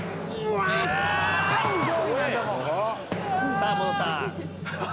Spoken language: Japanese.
さぁ戻った。